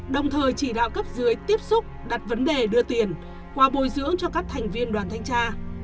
đồng thời chỉ đạo cấp dưới tiếp xúc đặt vấn đề đưa tiền qua bồi dưỡng cho các thành viên đoàn thanh tra